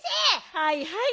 はいはい。